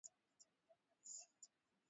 Twende tukapate kiamsha kinywa.